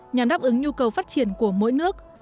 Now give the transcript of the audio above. nhằm đáp ứng nhu cầu phát triển của mỗi nước